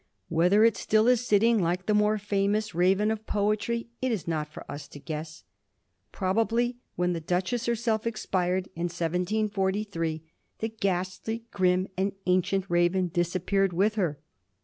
Whether it still is sitting, like the more famous raven of poetry, it is not for us to guess. Probably when the Duchess herself expired in 1743 the ghastly, grim, and ancient raven disappeared with her.